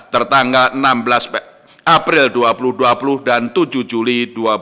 tertanggal enam belas april dua ribu dua puluh dan tujuh juli dua ribu dua puluh